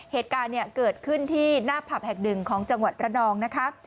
เหตุการณ์เกิดขึ้นที่หน้าผับแห่งหนึ่งของจังหวัดระนองนะคะ